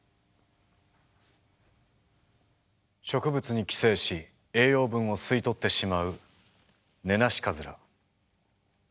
植物に寄生し栄養分を吸い取ってしまうネナシカズラ。